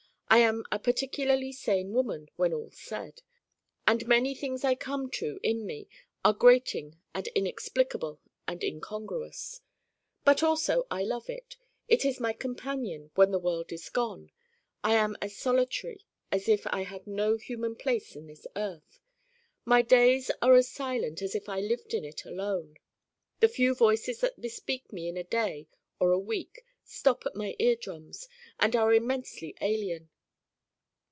I am a particularly sane woman when all's said. And many things I come to in me are grating and inexplicable and incongruous. But also I love it. It is my companion 'when the world is gone.' I am as solitary as if I had no human place in this earth. My days are as silent as if I lived in it alone. The few voices that bespeak me in a day or a week stop at my ear drums and are immensely alien.